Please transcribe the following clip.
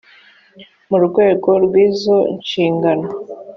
mu rwego rw izo nshingano